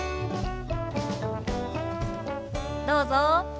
どうぞ。